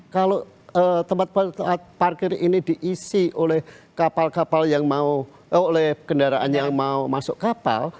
kalau tempat tempat parkir ini diisi oleh kapal kapal yang mau oleh kendaraan yang mau masuk kapal